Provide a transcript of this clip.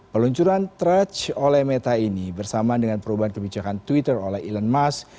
peluncuran threach oleh meta ini bersamaan dengan perubahan kebijakan twitter oleh elon musk